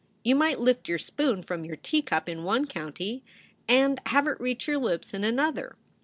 You might lift your spoon from your teacup in one county and have it reach your lips in another.